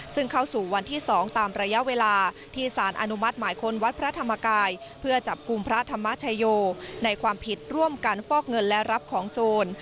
ซึ่งเข้าสู่วันที่๒ตามระยะเวลาที่สารอนุมัติหมายคนวัดพระธรรมกายเพื่อจับกลุ่มพระธรรมชโยในความผิดร่วมกันฟอกเงินและรับของโจร